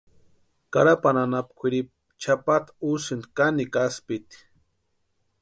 Carapani anapu kwʼiripu chʼapata úsïnti kanikwa aspiti.